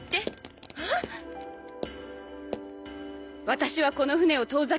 私はこの船を遠ざける。